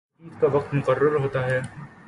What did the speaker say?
ہر چیز کا وقت مقرر ہوتا ہے۔